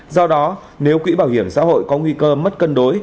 do đó nếu quỹ bảo hiểm xã hội có nguy cơ mất cân đối